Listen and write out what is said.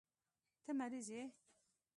ته مريض يې.